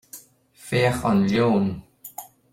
Féach an leon!